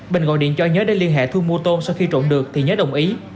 bình gọi điện cho nhớ đến liên hệ thu mua tôm sau khi trộm được thì nhớ đồng ý